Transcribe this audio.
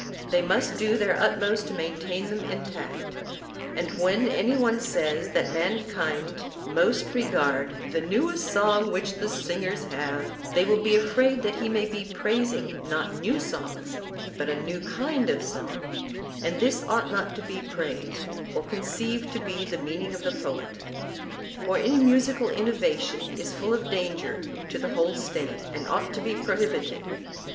They must do their utmost to maintain them intact. And when any one says that mankind most regard 'The newest song which the singers have,' they will be afraid that he may be praising, not new songs, but a new kind of song; and this ought not to be praised, or conceived to be the meaning of the poet; for any musical innovation is full of danger to the whole State, and ought to be prohibited.